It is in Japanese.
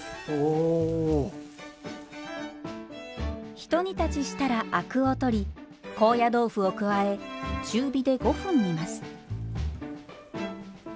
ひと煮立ちしたらアクを取り高野豆腐を加え中火で５分煮ます。